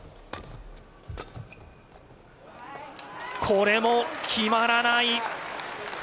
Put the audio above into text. これも決まらない。